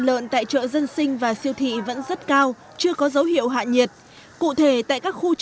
lợn tại chợ dân sinh và siêu thị vẫn rất cao chưa có dấu hiệu hạ nhiệt cụ thể tại các khu